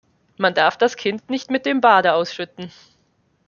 Man darf das Kind nicht mit dem Bade ausschütten.